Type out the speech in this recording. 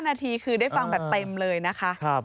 นาทีคือได้ฟังแบบเต็มเลยนะคะ